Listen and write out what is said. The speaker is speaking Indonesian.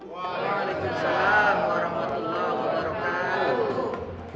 waalaikumsalam warahmatullahi wabarakatuh